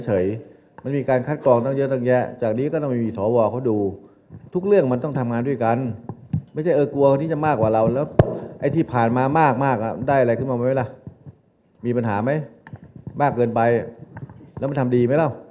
ถ้าอะไรคือกฎหมายก็ทำตามกฎหมายไป